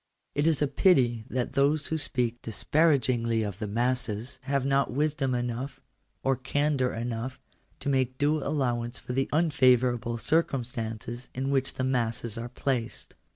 It is a pity that those who speak disparagingly of the masses 1 have not wisdom enough, or candour enough, to make due J allowance for the unfavourable circumstances in which the I masses are placed.